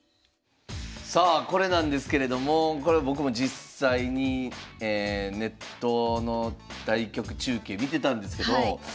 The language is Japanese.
さあこれなんですけれどもこれ僕も実際にネットの対局中継見てたんですけど